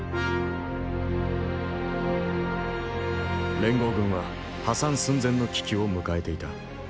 連合軍は破産寸前の危機を迎えていた。